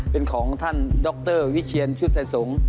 เป็นของท่านดรวิเชียนชุดไทยสงฆ์